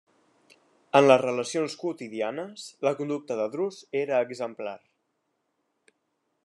En les relacions quotidianes, la conducta de Drus era exemplar.